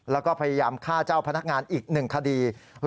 แล้วก็พยายามฆ่าเจ้าพนักงานอีก๑คดี